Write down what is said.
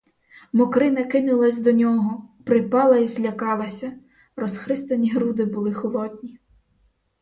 Мокрина кинулася до нього, припала й злякалася, — розхристані груди були холодні.